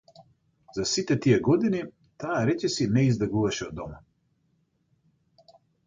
За сите тие години, таа речиси не излегуваше од дома.